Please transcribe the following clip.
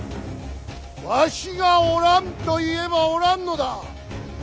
わしがおらんと言えばおらんのだ。